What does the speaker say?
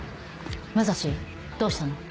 武蔵どうしたの？